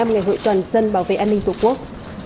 một mươi năm ngày hội toàn dân bảo vệ an ninh của quốc